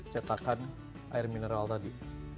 cetakan air mineral tadi